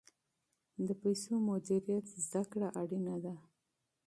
د پیسو مدیریت زده کړه اړینه ده.